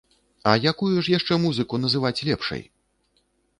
А якую ж яшчэ музыку называць лепшай!?